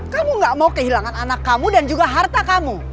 kamu gak mau kehilangan anak kamu dan juga harta kamu